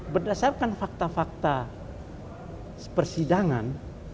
berdasarkan fakta fakta persidangan